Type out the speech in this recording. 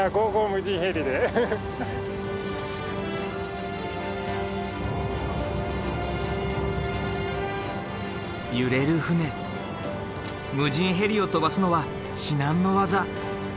無人ヘリを飛ばすのは至難の業。